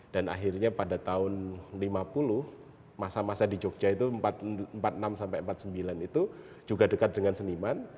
dan akhirnya pada tahun lima puluh masa masa di jogja itu empat puluh enam sampai empat puluh sembilan itu juga dekat dengan seniman